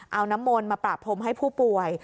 เอาน้ำมนต์มาประพรมให้ผู้ป่วย